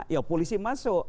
ya polisi masuk